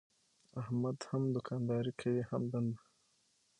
احمد هم دوکانداري کوي هم دنده.